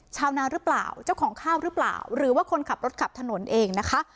ชาวนาหรือเปล่าเจ้าของข้าวหรือเปล่าหรือว่าคนขับรถขับถนนเองนะคะ